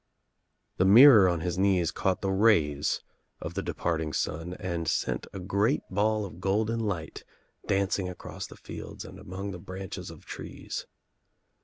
The mirror on his knees caught the rays of the de r UNLIGHTEDLAMPS 85 parting sun and sent a great ball of golden light dancing across the fields and among the branches of trees.